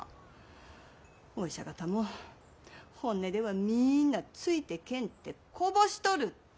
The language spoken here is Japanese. お医者方も本音では皆ついてけんってこぼしとるって。